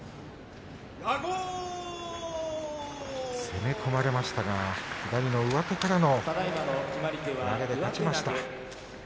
攻め込まれましたが左の上手からの投げで勝ちました。